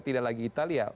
tidak lagi italia